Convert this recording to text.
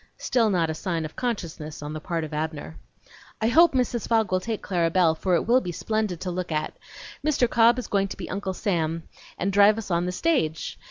(Still not a sign of consciousness on the part of Abner.) "I hope Mrs. Fogg will take Clara Belle, for it will be splendid to look at! Mr. Cobb is going to be Uncle Sam and drive us on the stage.